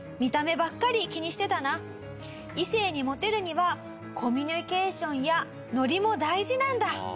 「異性にモテるにはコミュニケーションやノリも大事なんだ！」。